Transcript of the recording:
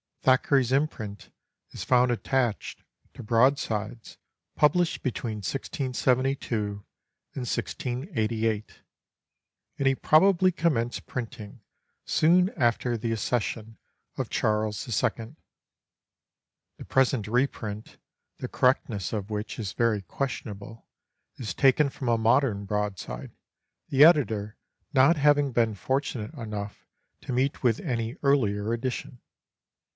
Thackeray's imprint is found attached to broadsides published between 1672 and 1688, and he probably commenced printing soon after the accession of Charles II. The present reprint, the correctness of which is very questionable, is taken from a modern broadside, the editor not having been fortunate enough to meet with any earlier edition.